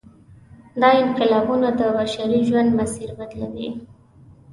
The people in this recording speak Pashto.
دا انقلابونه د بشري ژوند مسیر بدلوي.